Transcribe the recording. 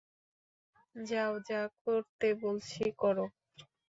যাও, যা করতে বলছি কর।